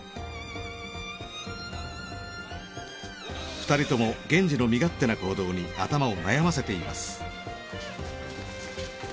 ２人とも源次の身勝手な行動に頭を悩ませています。